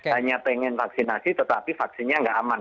hanya pengen vaksinasi tetapi vaksinnya nggak aman